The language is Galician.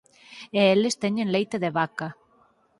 E eles teñen leite de vaca.